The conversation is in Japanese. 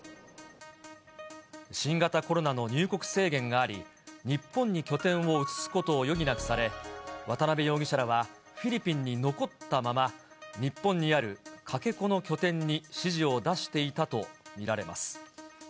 新型コロナの入国制限があり、日本に拠点を移すことを余儀なくされ、渡辺容疑者らはフィリピンに残ったまま、日本にあるかけ子の拠点に指示を出していたと見られます。